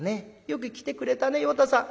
よく来てくれたね与太さん」。